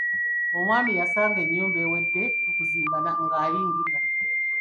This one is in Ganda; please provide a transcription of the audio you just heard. Omwami yasanga ennyumba ewedde kuzimba ng'ayingira.